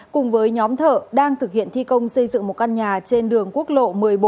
cùng với nhóm thợ đang thực hiện thi công xây dựng một căn nhà trên đường quốc lộ một mươi bốn